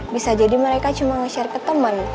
bisa jadi mereka cuma nge share ke teman